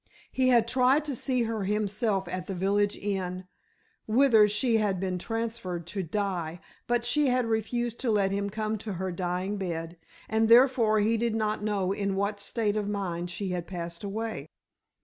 He had tried to see her himself at the village inn, whither she had been transferred to die, but she had refused to let him come to her dying bed, and therefore he did not know in what state of mind she had passed away.